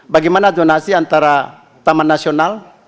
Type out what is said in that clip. bagaimana zonasi antara taman nasional